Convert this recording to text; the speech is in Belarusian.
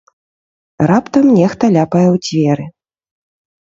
Раптам нехта ляпае ў дзверы.